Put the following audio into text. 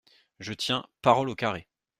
Je tiens… parole au carré !